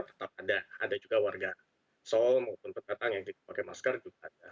tetap ada juga warga seoul maupun pendatang yang tidak pakai masker juga ada